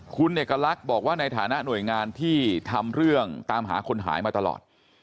คุณเอกลักษณ์บอกว่าในฐานะหน่วยงานที่ทำเรื่องตามหาคนหายมาตลอด